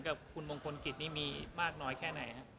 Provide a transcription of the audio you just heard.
กับคุณมงคลกิจนี่มีมากน้อยแค่ไหนครับ